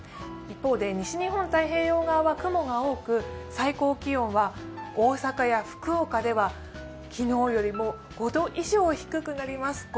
一方で、西日本太平洋側は雲が多く最高気温は大阪や福岡では昨日よりも５度以上低くなります。